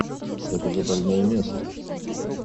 Это же больное место!